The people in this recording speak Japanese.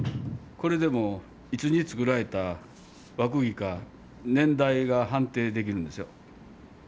これでもういつにつくられた和くぎか年代が判定できるんですよ。